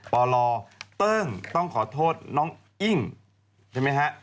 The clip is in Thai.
ปลเติ้งต้องขอโทษน้องอิ้งใช่ไหมฮะ